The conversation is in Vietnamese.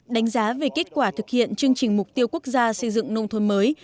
đánh giá về kết quả thực hiện chương trình mục tiêu quốc gia xây dựng nông thôn mới